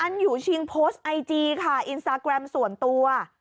อยู่ชิงโพสต์ไอจีค่ะอินสตาแกรมส่วนตัว